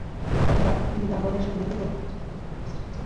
কখনো রাগ বিলাবলের সঙ্গে তীব্র মধ্যম যুক্ত হয়ে রাগ কল্যাণের সৃষ্টি হয়েছে।